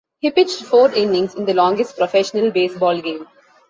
He pitched four innings in the longest professional baseball game.